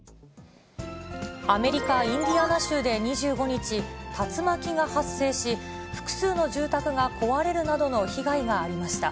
アメリカ・インディアナ州で２５日、竜巻が発生し、複数の住宅が壊れるなどの被害がありました。